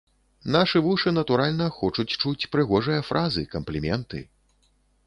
Нашы вушы, натуральна, хочуць чуць прыгожыя фразы, кампліменты.